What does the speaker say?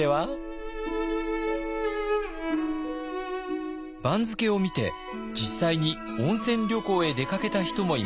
番付を見て実際に温泉旅行へ出かけた人もいました。